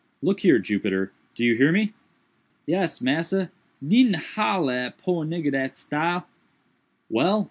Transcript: Look here, Jupiter, do you hear me?" "Yes, massa, needn't hollo at poor nigger dat style." "Well!